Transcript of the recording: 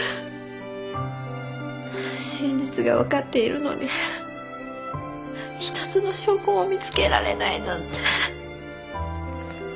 真実が分かっているのに一つの証拠も見つけられないなんて。